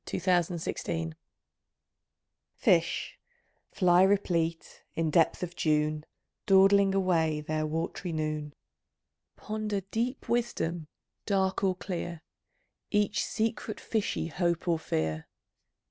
MATAIEA, 1914 HEAVEN Fish (fly replete, in depth of June, Dawdling away their wat'ry noon) Ponder deep wisdom, dark or clear, Each secret fishy hope or fear.